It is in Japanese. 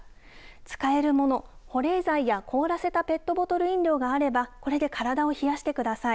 使えるもの、保冷剤や凍らせたペットボトル飲料があれば、これで体を冷やしてください。